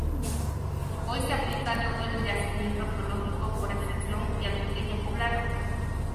Hoy se aplica a todo el yacimiento arqueológico por extensión y al pequeño poblado.